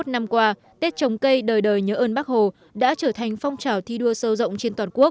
sáu mươi năm năm qua tết trồng cây đời đời nhớ ơn bác hồ đã trở thành phong trào thi đua sâu rộng trên toàn quốc